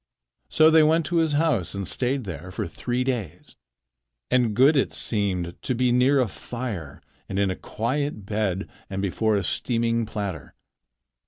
So they went to his house and stayed there for three days. And good it seemed to be near a fire and in a quiet bed and before a steaming platter.